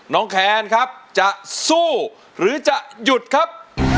แคนครับจะสู้หรือจะหยุดครับ